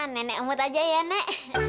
nenek umut aja ya nak